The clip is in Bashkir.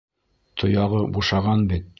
Тояғы бушаған бит!